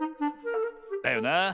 だよなあ。